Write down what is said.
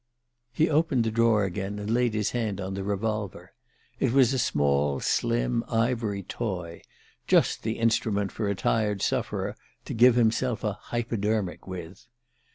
He opened the drawer again and laid his hand on the revolver. It was a small slim ivory toy just the instrument for a tired sufferer to give himself a "hypodermic" with.